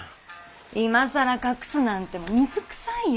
今さら隠すなんて水くさいよ。